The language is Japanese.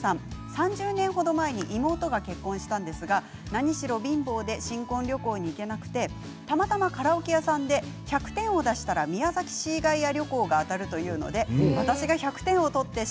３０年程前に妹が結婚したんですが何しろ貧乏で新婚旅行に行けなくてたまたまカラオケ屋さんで１００点を出したら宮崎シーガイア旅行が当たるということで私が１００点を取りました。